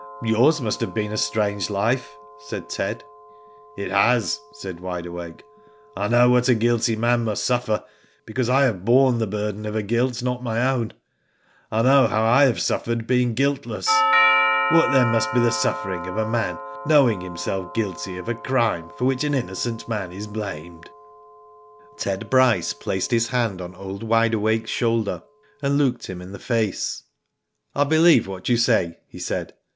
"Yours must have been a strange life,'* said Ted. *'It has," said Wide Awake. I know what a guilty man must suffer because I have borne the burden of a guilt not my own. I know how I have suffered being guiltless. What then must be the suffering of a man knowing himself guilty of a crime for which an innocent man is blamed ?" Ted Bryce placed his hand on old Wide Awake's shoulder and looked him in the face. I believe what you say," he said.